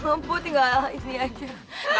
lompat tinggal ini aja